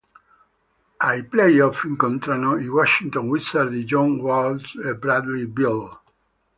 Ai playoff incontrano i Washington Wizards di John Wall e Bradley Beal.